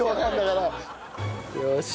よし。